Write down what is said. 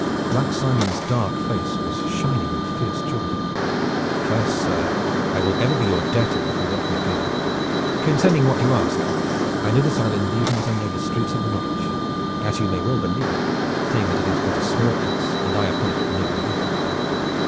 Black Simon's dark face was shining with a fierce joy. "Fair sir, I will ever be your debtor if you will let me go. Concerning what you ask, I know this island even as I know the streets of Norwich, as you may well believe seeing that it is but a small place and I upon it for near a year.